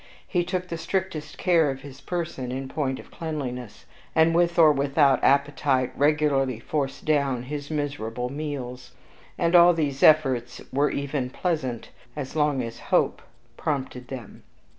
He took the strictest care of his person in point of cleanliness, and with or without appetite, regularly forced down his miserable meals; and all these efforts were even pleasant, as long as hope prompted them.